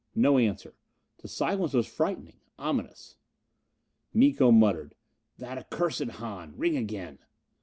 No answer. The silence was frightening. Ominous. Miko muttered, "That accursed Hahn. Ring again!"